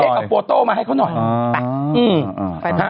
ช่วยเคล็ดถ่ายมาให้เขาหน่อยอ่ะ